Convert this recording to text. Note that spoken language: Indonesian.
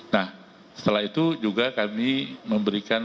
nah setelah itu juga kami memberikan